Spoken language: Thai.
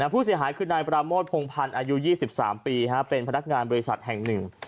ผู้เสียหายคือนายปราโมทพงพันธ์อายุ๒๓ปีเป็นพนักงานบริษัทแห่งหนึ่ง